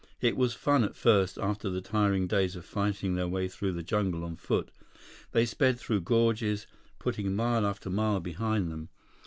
It was fun at first after the tiring days of fighting their way through the jungle on foot. They sped through gorges, putting mile after mile behind them.